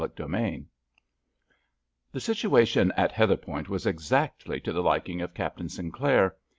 CHAPTER XV The situation at Heatherpoint was exactly to the liking of Captain Sinclair.